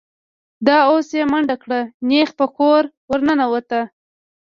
دا اوس یې منډه کړه، نېغ په کور ور ننوت.